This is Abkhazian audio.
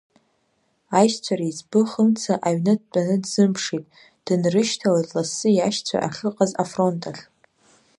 Аи-шьцәа реиҵбы Хымца аҩны дтәаны дзымԥшит, дын-рышьҭалеит лассы иашьцәа ахьыҟаз афронтахь.